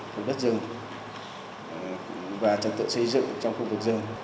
thuộc đất rừng và trạng tượng xây dựng trong khu vực rừng